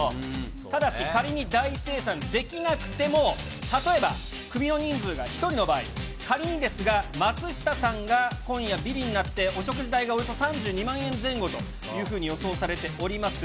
ただし、仮に大精算できなくても、例えば、クビの人数が１人の場合、仮にですが、松下さんが今夜ビリになって、お食事代がおよそ３２万円前後というふうに予想されております。